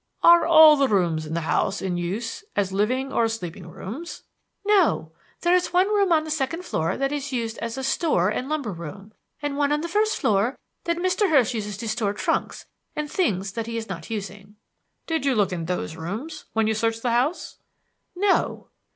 "Are all the rooms in the house in use as living or sleeping rooms?" "No; there is one room on the second floor that is used as a store and lumber room, and one on the first floor that Mr. Hurst uses to store trunks and things that he is not using." "Did you look in those rooms when you searched the house?" "No."